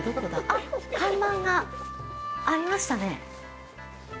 あっ、看板がありましたね。